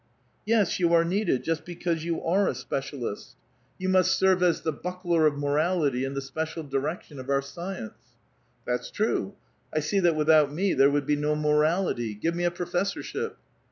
^es, you are needed, just because you are a specialist. 182 A VITAL QUESTION. You must serve as the buckler of morality and the special direction of our scieuce." *' That's true. 1 see that without me there would be no morality. Give me a professorship."